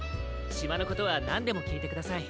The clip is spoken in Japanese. しまのことはなんでもきいてください。